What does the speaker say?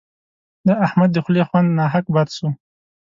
د احمد د خولې خوند ناحق بد سو.